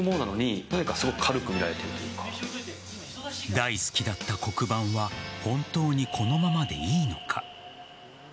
大好きだった黒板は本当にこのままでいいのか。